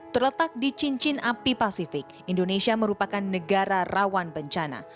terletak di cincin api pasifik indonesia merupakan negara rawan bencana